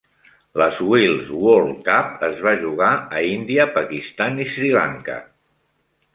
La Wills World Cup es va jugar a Índia, Pakistan i Sri Lanka.